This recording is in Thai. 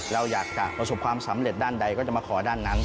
เราอยากจะประสบความสำเร็จด้านใดก็จะมาขอด้านนั้น